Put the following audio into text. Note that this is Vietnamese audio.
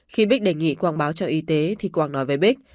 khi bích đề nghị quảng báo cho y tế thì quang nói với bích